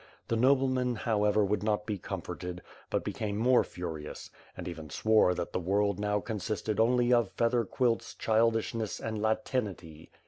The nobleman however would not be comforted, but became more furious; and even swore that the world now consisted only of feather quilts, childishness and Latinity.